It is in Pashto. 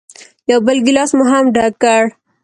یو بل ګیلاس مو هم ډک کړ.